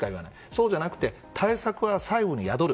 そうじゃなくて対策は細部に宿る。